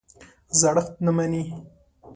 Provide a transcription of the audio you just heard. زړښت نه مني.